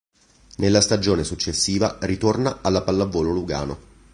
Nella stagione successiva ritorna alla Pallavolo Lugano.